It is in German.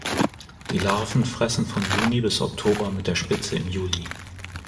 Die Larven fressen von Juni bis Oktober mit der Spitze im Juli.